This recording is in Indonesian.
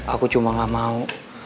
aku cuma gak mau